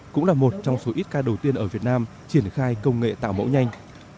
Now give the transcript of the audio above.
cũng là một trong số ít ca đầu tiên ở việt nam triển khai công nghệ tạo mẫu nhanh